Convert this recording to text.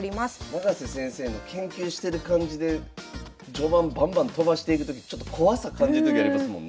永瀬先生の研究してる感じで序盤バンバンとばしていくときちょっと怖さ感じるときありますもんね。